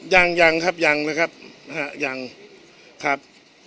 ยังครับยังนะครับครับ